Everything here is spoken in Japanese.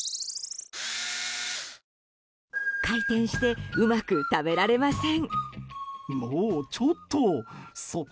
回転してうまく食べられません。